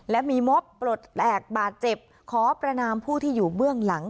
และมีมอบปลดแอบบาดเจ็บขอประนามผู้ที่อยู่เบื้องหลัง